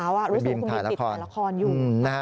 รู้สึกว่าคุณบีมติดต่อละครอยู่